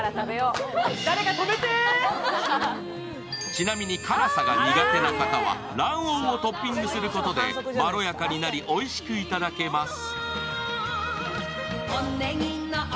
ちなみに辛さが苦手な方は卵黄をトッピングすることでまろやかになり、おいしく頂けます。